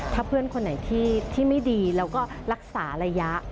ถ้าเพื่อนคนไหนที่ไม่ดีแล้วก็รักษาระยะ